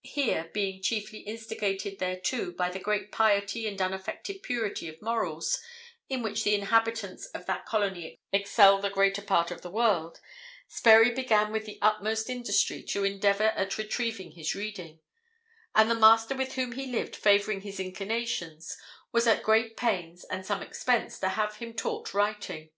Here, being chiefly instigated thereto by the great piety and unaffected purity of morals in which the inhabitants of that colony excel the greater part of the world, Sperry began with the utmost industry to endeavour at retrieving his reading; and the master with whom he lived favouring his inclinations, was at great pains and some expense to have him taught writing.